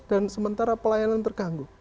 dan sementara pelayanan terganggu